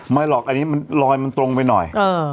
มายล่ะอันนี้ลอยมันตรงไปหน่อย